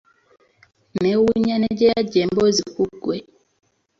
Neewunya ne gye yaggya emboozi ku ggwe.